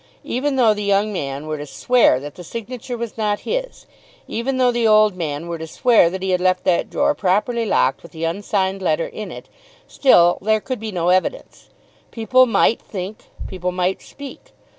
Even though the young man were to swear that the signature was not his, even though the old man were to swear that he had left that drawer properly locked with the unsigned letter in it, still there could be no evidence. People might think. People might speak.